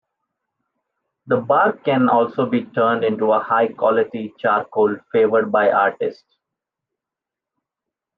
The bark can also be turned into a high quality charcoal favoured by artists.